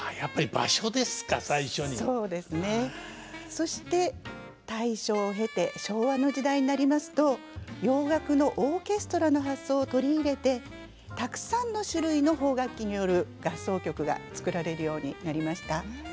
そして大正を経て昭和の時代になりますと洋楽のオーケストラの発想を取り入れてたくさんの種類の邦楽器による合奏曲が作られるようになりました。